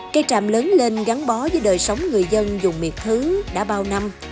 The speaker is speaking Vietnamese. cây tràm lớn lên gắn bó với đời sống người dân dùng miệt thứ đã bao năm